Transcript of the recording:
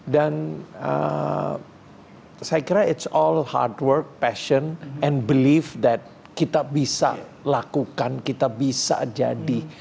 dan saya kira it s all hard work passion and belief that kita bisa lakukan kita bisa jadi